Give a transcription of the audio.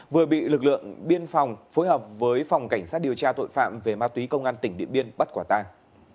vừa bị lực lượng biên phòng phối hợp với phòng cảnh sát điều tra tội phạm về ma túy công an tỉnh điện biên bắt quả tang